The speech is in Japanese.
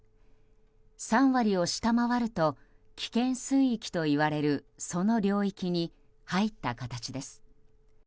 ３割を下回ると危険水域といわれるその領域に入った形です。